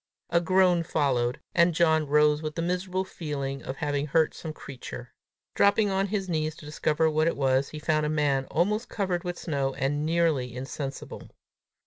A groan followed, and John rose with the miserable feeling of having hurt some creature. Dropping on his knees to discover what it was, he found a man almost covered with snow, and nearly insensible.